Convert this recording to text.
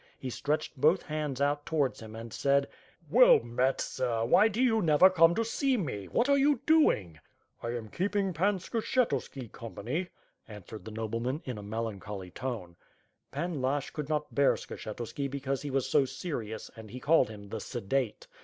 He stretched both hands out towards him and said: "Well met, sir, why do you never come to aee me? What are you doing?'' "I am keeping Pan Skshetuski company,'' answered the nobleman in a melancholy tone. Pan Lashch could not bear Skshetuski because he was so serious and he called him "The Sedate."